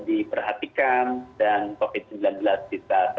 diperhatikan dan covid sembilan belas bisa